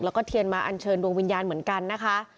แล้วก็เทียนมาอันเชิญดวงวิญญาณเหมือนกันนะคะ